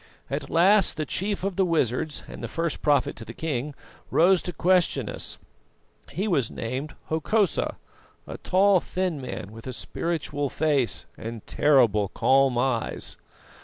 At last the chief of the wizards and the first prophet to the king rose to question us. He was named Hokosa, a tall, thin man, with a spiritual face and terrible calm eyes.